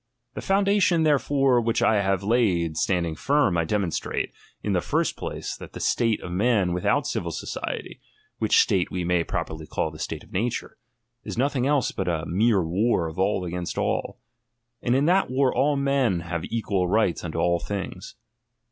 The founda tion therefore which I have laid, standing firm, I demonstrate, in the first place, that the state of men without civil society, whicli state we may troperly call the state of nature, is nothing else mt a mere war of all against all ; and in that war all men have equal right unto all things.